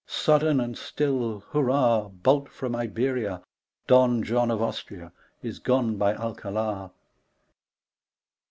Sudden and still hurrah I Bolt from Iberia I Don John of Austria Is gone by Alcalar.